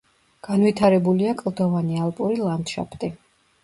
განვითარებულია კლდოვანი ალპური ლანდშაფტი.